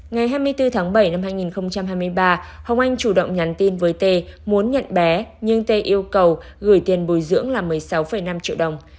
ngày hai mươi bốn tháng bảy năm hai nghìn hai mươi ba hồng anh chủ động nhắn tin với t muốn nhận bé nhưng tê yêu cầu gửi tiền bồi dưỡng là một mươi sáu năm triệu đồng